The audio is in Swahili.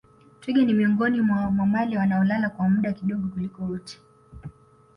Twiga ni miongoni mwa mamalia wanaolala kwa muda kidogo kuliko wote